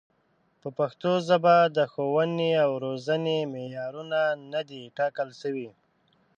په پښتو ژبه د ښوونې او روزنې معیارونه نه دي ټاکل شوي.